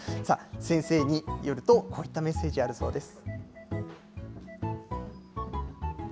先生によるとこういったメッセージあるそうです。